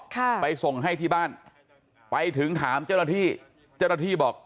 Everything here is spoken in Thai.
ไปส่งให้ที่บ้านไปถึงถามเจ้าหน้าที่เจ้าหน้าที่บอก